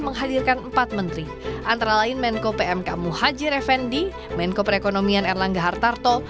menghadirkan empat menteri antara lain menko pmk muhajir effendi menko perekonomian erlangga hartarto